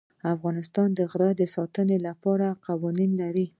افغانستان د غزني د ساتنې لپاره قوانین لري.